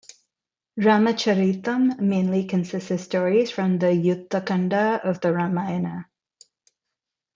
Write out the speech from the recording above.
"Ramacharitham" mainly consists of stories from the Yuddha Kanda of the "Ramayana".